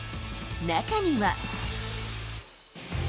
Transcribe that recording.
中には。